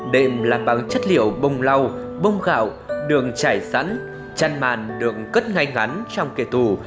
đệm làm bằng chất liệu bông lau bông gạo đường chải sẵn chăn màn đường cất ngay ngắn trong kề thù